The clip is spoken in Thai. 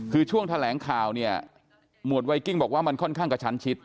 คือช่วงแถลงข่าวเนี่ยหมวดไวกิ้งบอกว่ามันค่อนข้างกระชั้นชิด